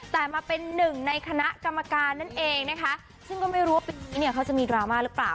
แต่มาเป็นหนึ่งในคณะกรรมการนั่นเองนะคะซึ่งก็ไม่รู้ว่าเนี่ยเขาจะมีดราม่าหรือเปล่า